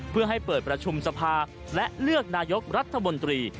เพื่อให้เปิดประชุมสภาและเลือกนายกรัฐมนตรี